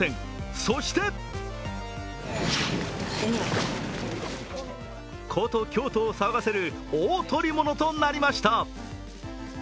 そして古都・京都を騒がせる大捕り物となりました。